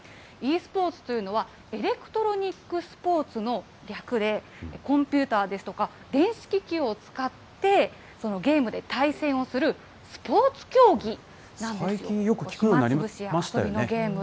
ｅスポーツというのは、エレクトロニック・スポーツの略で、コンピューターですとか、電子機器を使って、ゲームで対戦をするスポーツ競技なんですよ。